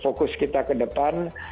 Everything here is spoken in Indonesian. fokus kita ke depan